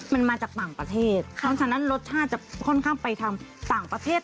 มันมาจากต่างประเทศเพราะฉะนั้นรสชาติจะค่อนข้างไปทางต่างประเทศ